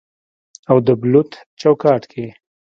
او د بلوط چوکاټ کې